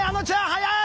早い！